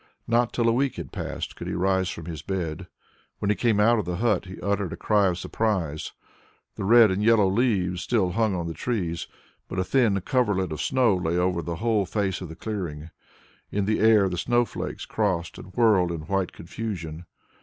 Not till a week had passed could he rise from his bed. When he came out of the hurt, he uttered a cry of surprise. The red and yellow leaves still hung on the trees, but a thin coverlet of snow lay over the whole face of the clearing. In the air the snow flakes crossed and whirled in white confusion.